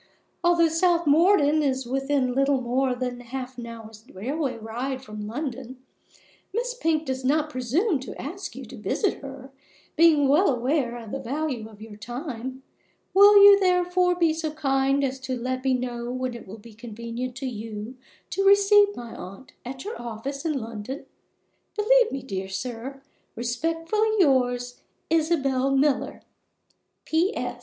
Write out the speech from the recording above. Although South Morden is within little more than half an hour's railway ride from London, Miss Pink does not presume to ask you to visit her, being well aware of the value of your time. Will you, therefore, be so kind as to let me know when it will be convenient to you to receive my aunt at your office in London? Believe me, dear sir, respectfully yours, ISABEL MILLER. P.S.